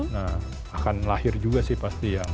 nah akan lahir juga sih pasti ya